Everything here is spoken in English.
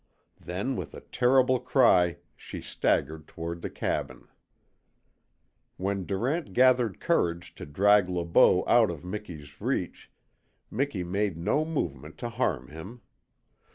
Then, with a terrible cry, she staggered toward the cabin. When Durant gathered courage to drag Le Beau out of Miki's reach Miki made no movement to harm him.